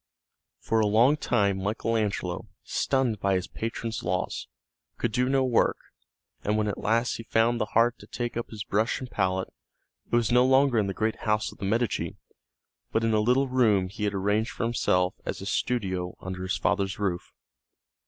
For a long time Michael Angelo, stunned by his patron's loss, could do no work, and when at last he found the heart to take up his brush and palette it was no longer in the great house of the Medici, but in a little room he had arranged for himself as a studio under his father's roof.